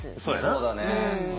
そうだね。